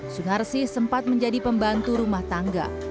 sunarsi sempat menjadi pembantu rumah tangga